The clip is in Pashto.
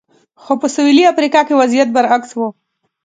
خو په سویلي امریکا کې وضعیت برعکس و.